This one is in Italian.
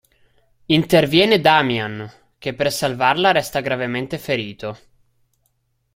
Interviene Damian, che per salvarla resta gravemente ferito.